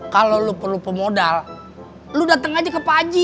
kalau lo perlu pemodal lo datang aja ke paji